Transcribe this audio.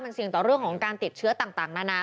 มันเสี่ยงต่อเรื่องของการติดเชื้อต่างนานา